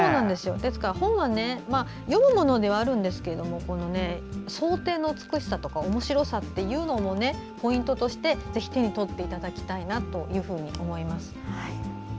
ですから、本は読むものではあるんですけれども装丁の美しさとかおもしろさというのもポイントとしてぜひ手に取っていただきたいなと思います。